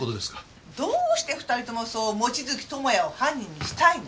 どうして２人ともそう望月友也を犯人にしたいの？